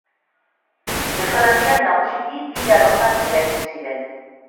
Euskal Herrian nagusiki bi arotan eraiki ziren.